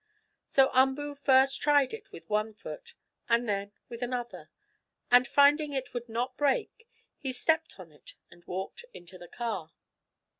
So Umboo first tried it with one foot, and then with another, and, finding it would not break, he stepped on it and walked into the car.